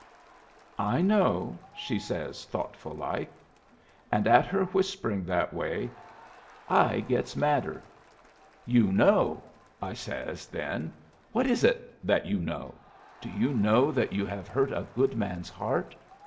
"'I know," she says, thoughtful like. "And at her whispering that way I gets madder. "'You know!' I says then. 'What is it that you know? Do you know that you have hurt a good man's heart?